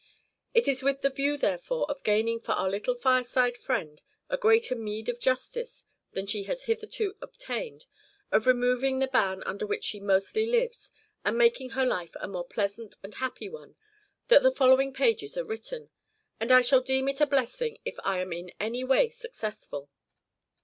It is with the view, therefore, of gaining for our little fireside friend a greater meed of justice than she has hitherto obtained, of removing the ban under which she mostly lives, and making her life a more pleasant and happy one, that the following pages are written; and I shall deem it a blessing if I am in any way successful.